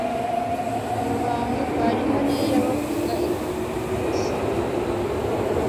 Abo bantu bari hariya bavuga igifaransa.